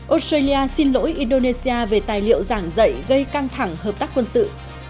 australia xin lỗi indonesia về tài liệu giảng dạy gây căng thẳng hợp tác quân sự